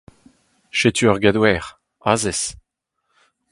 Setu ur gador. Azez !